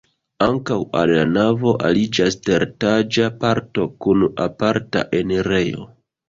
Ankaŭ al la navo aliĝas teretaĝa parto kun aparta enirejo.